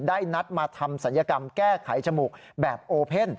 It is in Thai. นัดมาทำศัลยกรรมแก้ไขจมูกแบบโอเพ่น